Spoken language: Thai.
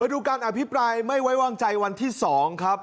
ดูการอภิปรายไม่ไว้วางใจวันที่๒ครับ